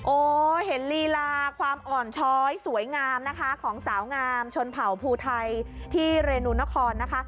โอ้เห็นลีลาความอ่อนช้อยสวยงามนะคะของสาวงามชนเผ่าภูไทยที่เรนูนครนะคะ